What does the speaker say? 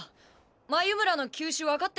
眉村の球種分かってる？